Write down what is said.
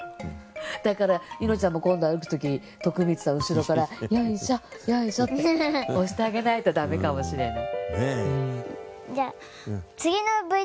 だから柚乃ちゃんも今度歩く時徳光さんを後ろからよいしょよいしょって押してあげないとダメかもしれない。